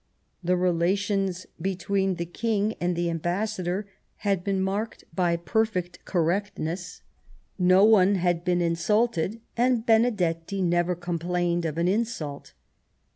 The relations between the King and the Ambassador had been marked by perfect correctness ; no one had been in sulted, and Benedetti never complained of an insult.